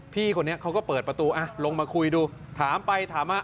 พี่คนนี้เขาก็เปิดประตูลงมาคุยดูถามไปถามมา